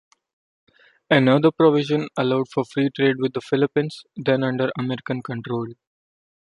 Another provision allowed for free trade with the Philippines, then under American control.